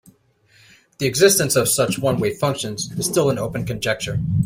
The existence of such one-way functions is still an open conjecture.